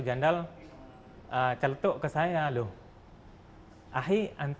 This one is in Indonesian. jandal celtuk ke saya loh hai ahi antum kenapa kok nggak ikut juga kesana padahal di suria itu